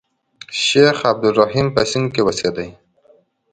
شیخ عبدالرحیم په سند کې اوسېدی.